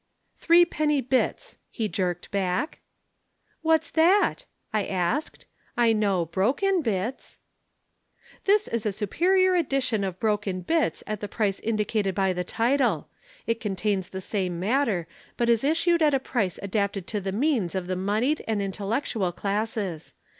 "'Threepenny Bits!' he jerked back. "'What's that?' I asked. 'I know Broken Bits.' "'This is a superior edition of Broken Bits at the price indicated by the title. It contains the same matter, but is issued at a price adapted to the means of the moneyed and intellectual classes.